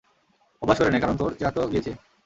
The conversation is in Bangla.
অভ্যাস করে নে, কারন তোর চেয়ারতো গিয়েছে।